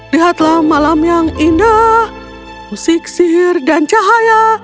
lihatlah malam yang indah musik sihir dan cahaya